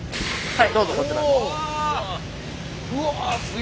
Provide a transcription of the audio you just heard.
はい。